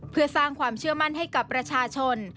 เพื่อสร้างความเชื่อมั่นให้กับประชาชน